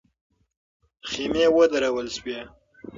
خېمې ودرول سوې.